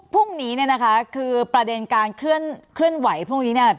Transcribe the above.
พรุ่งนี้เนี่ยนะคะคือประเด็นการเคลื่อนไหวพรุ่งนี้เนี่ย